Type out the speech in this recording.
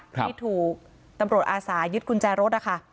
ที่ถูกตำรวจอาสายึดกุญแจรถนะคะ